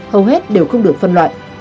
hầu hết đều không được phân loại